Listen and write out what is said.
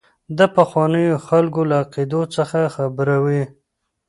د پخوانیو خلکو له عقیدو څخه خبروي.